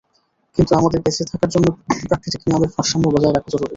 কিন্তু আমাদের বঁেচে থাকার জন্য প্রাকৃতিক নিয়মের ভারসাম্য বজায় রাখা জরুরি।